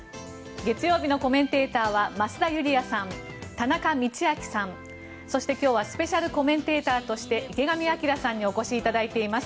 月曜日のコメンテーターは増田ユリヤさん、田中道昭さんそして、今日はスペシャルコメンテーターとして池上彰さんにお越しいただいています。